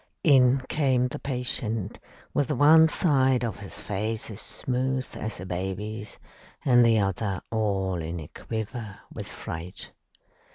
In came the patient, with one side of his face as smooth as a baby's, and the other all in a quiver with fright.